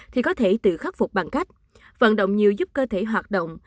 thì có thể tự khắc phục bằng cách vận động nhiều giúp cơ thể hoạt động